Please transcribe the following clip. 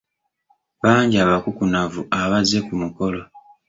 Bangi abakukunavu abazze ku mukolo.